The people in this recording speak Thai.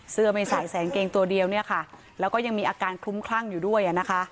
เสื้อไม่ใส่ใส่อังเกงตัวเดียวแล้วก็ยังมีอาการคุ้มคลั่งอยู่ด้วย